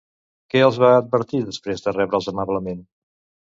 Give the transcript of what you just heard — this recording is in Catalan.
Què els va advertir després de rebre'ls amablement?